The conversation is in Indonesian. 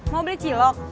mau beli cilok